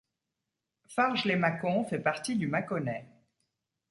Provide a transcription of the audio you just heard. Farges-lès-Mâcon fait partie du Mâconnais.